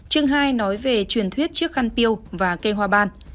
trường hai nói về truyền thuyết chiếc khăn piêu và cây hoa ban